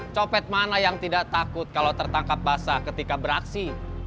copet mana yang tidak takut kalau tertangkap basah ketika beraksi